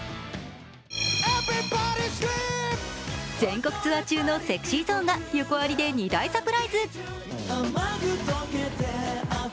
全国ツアー中のＳｅｘｙＺｏｎｅが横アリで２大サプライズ。